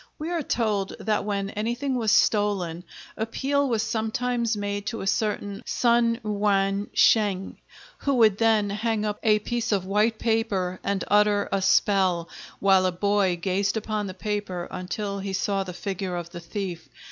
We are told that when anything was stolen appeal was sometimes made to a certain Sun Yuan Sheng, who would then hang up a piece of white paper and utter a spell, while a boy gazed upon the paper until he saw the figure of the thief.